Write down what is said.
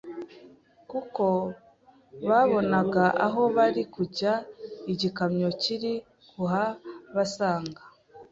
kuko babonaga aho bari kujya igikamyo kiri kuhabasanga.